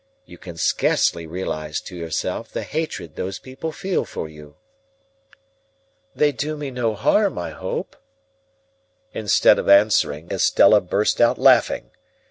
You can scarcely realise to yourself the hatred those people feel for you." "They do me no harm, I hope?" Instead of answering, Estella burst out laughing.